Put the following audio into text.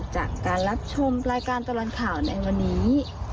จากการรับชมรายการตลอดข่าวในวันนี้